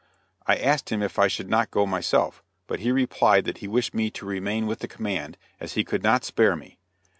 I asked him if I should not go myself, but he replied that he wished me to remain with the command, as he could not spare me.